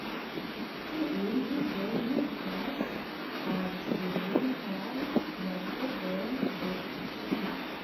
Tiuj birdoj migras al sudorientaj marbordoj de Usono.